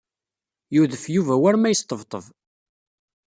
Yudef Yuba war ma yesṭebṭeb.